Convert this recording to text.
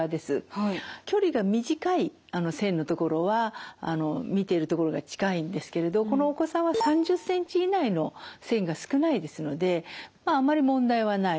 距離が短い線のところは見ているところが近いんですけれどこのお子さんは３０センチ以内の線が少ないですのでまああまり問題はない。